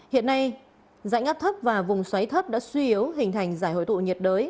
hiện nay rãnh áp thấp và vùng xoáy thấp đã suy yếu hình thành giải hồi thụ nhiệt đới